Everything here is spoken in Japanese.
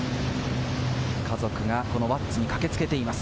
家族がこの輪厚に駆けつけています。